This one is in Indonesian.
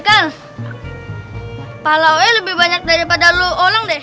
kalau lebih banyak daripada lu orang deh